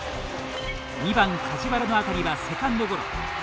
２番・梶原の当たりはセカンドゴロ。